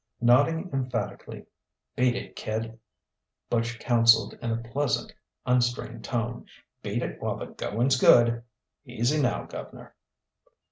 Nodding emphatically, "Beat it, kid," Butch counselled in a pleasant, unstrained tone "beat it while the going's good.... Easy, now, guvner!"